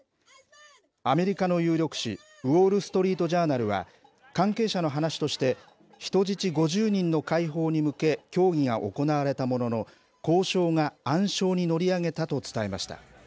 アメリカの有力紙、ウォール・ストリート・ジャーナルは、関係者の話として、人質５０人の解放に向け協議が行われたものの、交渉が暗礁に乗り上げたと伝えました。